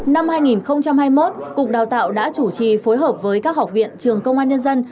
năm hai nghìn hai mươi một cục đào tạo đã chủ trì phối hợp với các học viện trường công an nhân dân